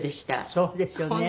そうですよね。